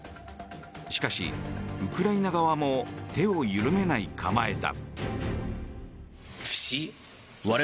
しかし、ウクライナ側も手を緩めない構えだ。